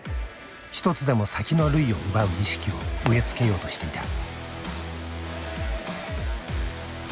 一つでも先の塁を奪う意識を植え付けようとしていた。